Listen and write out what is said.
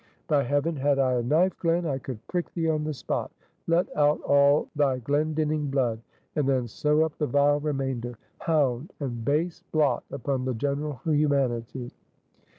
By Heaven, had I a knife, Glen, I could prick thee on the spot; let out all thy Glendinning blood, and then sew up the vile remainder. Hound, and base blot upon the general humanity!"